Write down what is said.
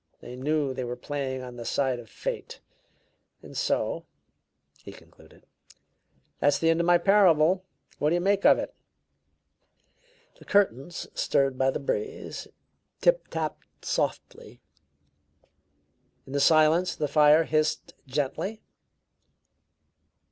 They knew they were playing on the side of fate. And so," he concluded, "that's the end of my parable. What do you make of it?" The curtains, stirred by the breeze, tip tapped softly; in the silence the fire hissed gently.